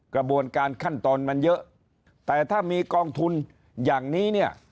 กระบวนการขั้นตอนมันเยอะแต่ถ้ามีกองทุนอย่างนี้เนี่ย